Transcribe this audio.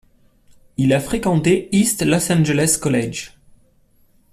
Il a fréquenté East Los Angeles College.